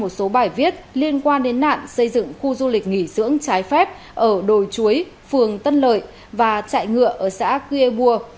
một số bài viết liên quan đến nạn xây dựng khu du lịch nghỉ dưỡng trái phép ở đồi chuối phường tân lợi và chạy ngựa ở xã cư ê bua